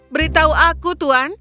beritahu aku tuan